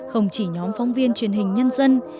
không chỉ nhóm phóng viên truyền hình nhân dân